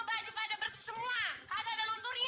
baju pada bersih semua kagak ada lunturnya